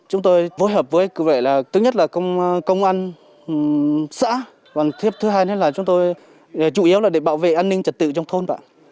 chúng tôi vối hợp với công an xã và thứ hai là chúng tôi chủ yếu là để bảo vệ an ninh trật tự trong thôn